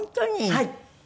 はい。